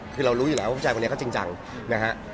คือเรารู้อยู่แล้วว่าผู้ชายคนนี้เขาจริงจังนะฮะ